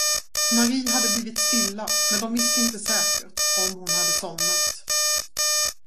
Mari hade blivit stilla, men de visste inte säkert, om hon hade somnat.